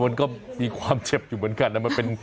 มันก็มีความเจ็บอยู่เหมือนกันนะมันเป็น